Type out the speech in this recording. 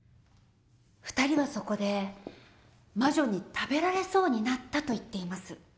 ２人はそこで魔女に食べられそうになったと言っています。